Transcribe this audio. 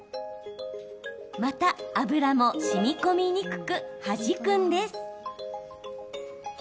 また、油もしみこみにくくはじくんです。